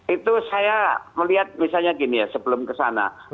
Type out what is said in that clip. itu saya melihat misalnya gini ya sebelumnya